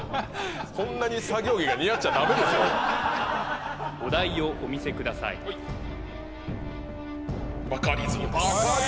こんなに作業着が似合っちゃダメでしょお題をお見せくださいバカリズムです